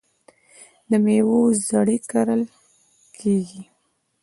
د میوو زړې کرل کیږي.